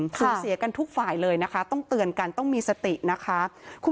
สูญเสียกันทุกฝ่ายเลยนะคะต้องเตือนกันต้องมีสตินะคะ